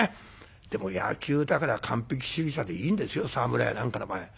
でも野球だから完璧主義者でいいんですよ沢村やなんかの場合。